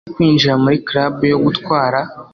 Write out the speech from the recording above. Yasabye kwinjira muri club yo gutwara.